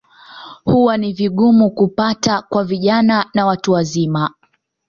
Huwa ni vigumu kupata kwa vijana na watu wazima.